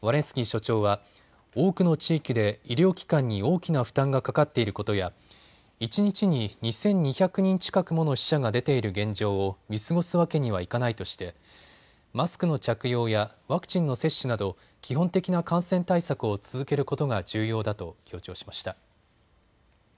スキー所長は多くの地域で医療機関に大きな負担がかかっていることや一日に２２００人近くもの死者が出ている現状を見過ごすわけにはいかないとしてマスクの着用やワクチンの接種など基本的な感染対策を続けることが重要だと強調しました。